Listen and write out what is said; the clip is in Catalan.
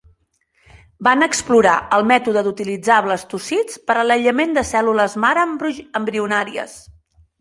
Van explorar el mètode d'utilitzar blastocists per a l'aïllament de cèl·lules mare embrionàries.